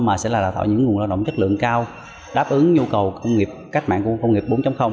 mà sẽ là đào tạo những nguồn lao động chất lượng cao đáp ứng nhu cầu công nghiệp cách mạng của công nghiệp bốn